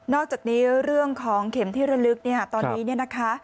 นอกจากนี้เรื่องของเข็มที่ระลึกตอนนี้นะคะ